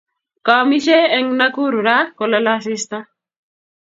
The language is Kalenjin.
Kaamishe en Nakuru raa kolale asista